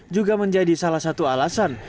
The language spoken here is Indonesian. juga menjadi salah satu alasan